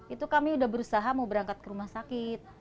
itu kami sudah berusaha mau berangkat ke rumah sakit